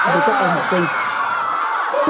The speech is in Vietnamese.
với các em học sinh